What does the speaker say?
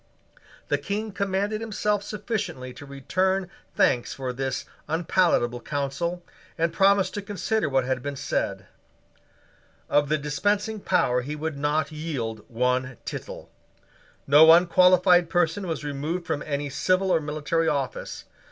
The King commanded himself sufficiently to return thanks for this unpalatable counsel, and promised to consider what bad been said. Of the dispensing power he would not yield one tittle. No unqualified person was removed from any civil or military office.